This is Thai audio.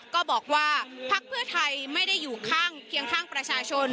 ก็บอกว่าพักเพื่อไทยไม่ได้อยู่ข้างเคียงข้างประชาชน